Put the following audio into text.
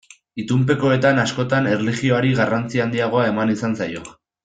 Itunpekoetan askotan erlijioari garrantzi handiagoa eman izan zaio.